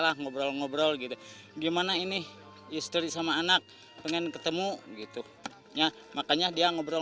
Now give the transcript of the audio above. lah ngobrol ngobrol gitu gimana ini istri sama anak pengen ketemu gitu ya makanya dia ngobrol